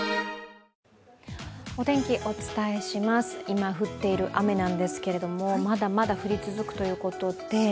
今降っている雨なんですけれども、まだまだ降り続くということで。